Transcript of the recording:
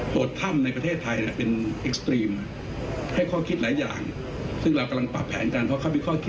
โถ่ท่ำในประเทศไทยเนี่ยเป็นเอ็กซ์ตรีมให้ความคิดหลายอย่าง